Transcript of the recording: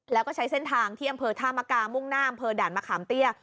แล้วก็ใช้เส้นทางที่อำเภอธามกามุ่งหน้าอำเภอด่านมะขามเตี้ย